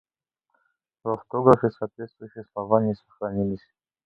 В автографе соответствующие слова не сохранились.